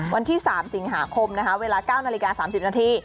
วันที่๓สิงหาคมนะคะเวลา๙นาฬิกา๓๐นาที